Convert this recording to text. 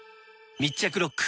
密着ロック！